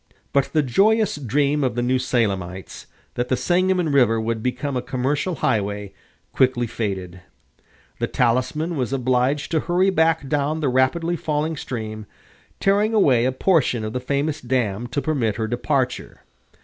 But the joyous dream of the New Salemites, that the Sangamon River would become a commercial highway, quickly faded. The Talisman was obliged to hurry back down the rapidly falling stream, tearing away a portion of the famous dam to permit her departure.